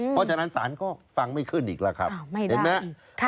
เพราะฉะนั้นศาลก็ฟังไม่ขึ้นอีกแล้วครับเห็นไหม